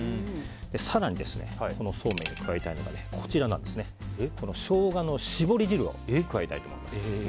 更にそうめんに加えたいのがショウガの搾り汁を加えたいと思います。